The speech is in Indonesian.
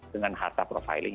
dengan harta profiling